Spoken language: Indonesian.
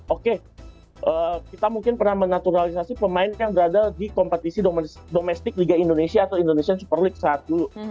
oke kita mungkin pernah menaturalisasi pemain yang berada di kompetisi domestik liga indonesia atau indonesian super league saat dulu